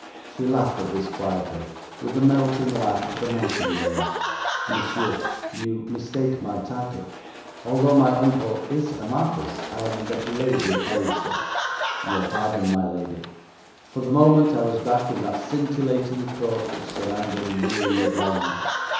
She laughed at this quietly, with the melting laugh of the nightingale. 'Monsieur, you mistake my title. Although my uncle is a marquis, I am but Lady Alicia.' 'Your pardon, my lady. For the moment I was back in that scintillating Court which surrounded Louis le Grand.'